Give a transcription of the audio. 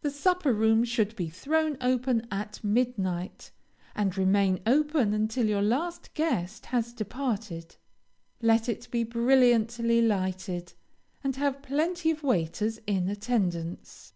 The supper room should be thrown open at midnight, and remain open until your last guest has departed. Let it be brilliantly lighted, and have plenty of waiters in attendance.